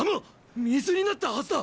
水になったはずだ！